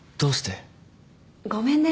ごめんね。